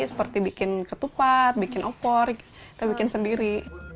seperti bikin ketupat bikin opor kita bikin sendiri